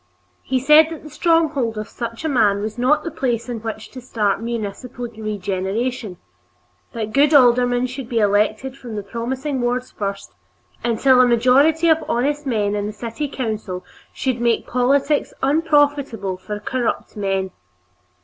He said that the stronghold of such a man was not the place in which to start municipal regeneration; that good aldermen should be elected from the promising wards first, until a majority of honest men in the city council should make politics unprofitable for corrupt men.